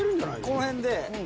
この辺で。